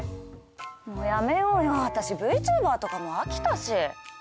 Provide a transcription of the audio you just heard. もうやめようよ私ＶＴｕｂｅｒとかもう飽きたし。